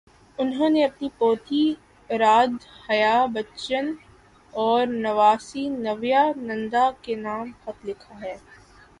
انہوں نے اپنی پوتی ارادھیابچن اور نواسی نیویا ننداکے نام خط لکھا ہے۔